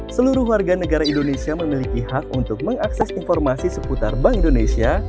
seluruh warga negara indonesia memiliki hak untuk mengakses informasi seputar bank indonesia